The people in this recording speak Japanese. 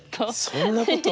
そんなこと。